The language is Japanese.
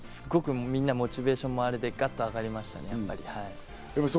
本当にすっごく、みんなモチベーションもあれでガッと上がりましたね。